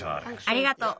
ありがとう。